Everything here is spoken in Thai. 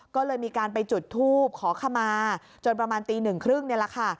ก็เลยมีการไปจุดทูบขอขมาจนประมาณตีหนึ่งครึ่งนี่แหละค่ะ